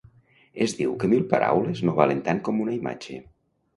Es diu que mil paraules no valen tant com una imatge.